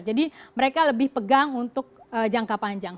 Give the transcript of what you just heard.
jadi mereka lebih pegang untuk jangka panjang